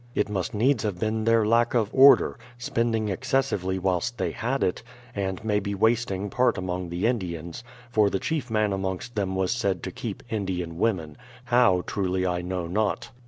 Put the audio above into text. It must needs have been their lack of order, spending excessively whilst they had it, and may be wasting part among the Indians — for the chief man amongst them was said to keep Indian women, how truly I know not.